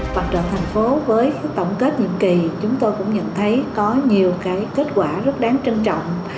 mặt trận thành phố với tổng kết nhiệm kỳ chúng tôi cũng nhận thấy có nhiều kết quả rất đáng trân trọng